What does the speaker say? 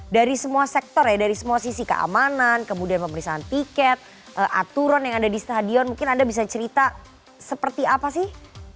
dari semua sektor ya dari semua sisi keamanan kemudian pemeriksaan tiket aturan yang ada di stadion mungkin anda bisa cerita seperti apa sih